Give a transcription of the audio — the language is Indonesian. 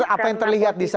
apa yang terlihat di sana